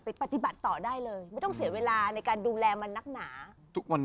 ปฏิบัติต่อได้เลยไม่ต้องเสียเวลาในการดูแลมันนักหนาทุกวันนี้